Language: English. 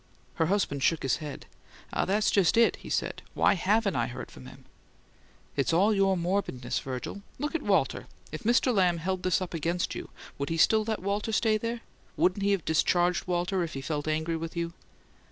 Her husband shook his head. "Ah, that's just it!" he said. "Why HAVEN'T I heard from him?" "It's all your morbidness, Virgil. Look at Walter: if Mr. Lamb held this up against you, would he still let Walter stay there? Wouldn't he have discharged Walter if he felt angry with you?"